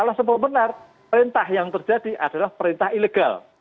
kalau semua benar perintah yang terjadi adalah perintah ilegal